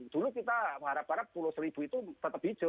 dulu kita harap harap pulau seribu itu tetap hijau